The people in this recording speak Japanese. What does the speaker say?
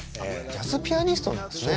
ジャズピアニストなんですね。